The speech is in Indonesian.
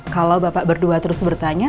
kalau bapak berdua terus bertanya